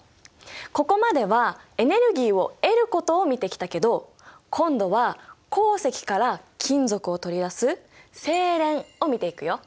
ここまではエネルギーを得ることを見てきたけど今度は鉱石から金属を取り出す製錬を見ていくよ！